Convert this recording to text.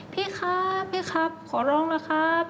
พี่ครับพี่ครับขอร้องนะครับ